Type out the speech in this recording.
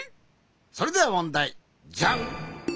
それではもんだい。じゃん！